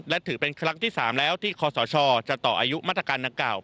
และถือเป็นครั้งที่๓แล้วที่คศจะต่ออายุมาตรการดังกล่าว